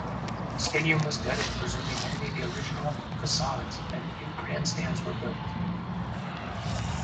The stadium was gutted, preserving only the original facades, and new grandstands were built.